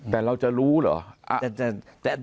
แต่เราจะรู้เหรอ